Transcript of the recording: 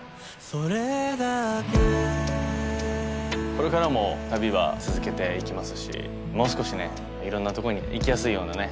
これからも旅は続けていきますしもう少しねいろんなとこに行きやすいようなね